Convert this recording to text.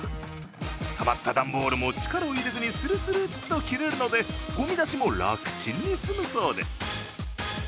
たまった段ボールも力を入れずにするするっと切れるのでごみ出しも楽ちんにすむそうです。